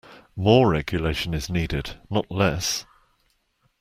More regulation is needed, not less.